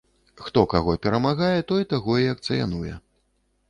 Хто каго перамагае, той таго і акцыянуе.